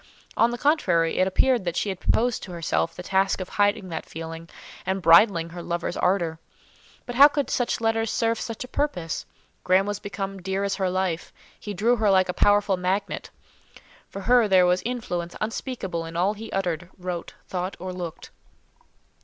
On the contrary, it appeared that she had proposed to herself the task of hiding that feeling, and bridling her lover's ardour. But how could such letters serve such a purpose? Graham was become dear as her life; he drew her like a powerful magnet. For her there was influence unspeakable in all he uttered, wrote, thought, or looked.